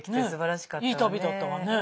いい旅だったわね。